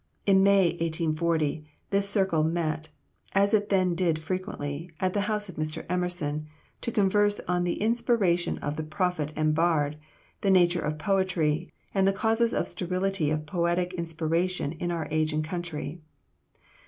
In May, 1840, this circle met, as it then did frequently, at the house of Mr. Emerson, to converse on "the inspiration of the Prophet and Bard, the nature of Poetry, and the causes of the sterility of Poetic Inspiration in our age and country."